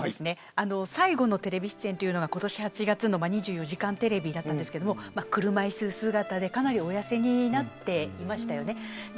最後のテレビ出演が今年８月の２４時間テレビでしたが車いす姿でかなりお痩せになっていました。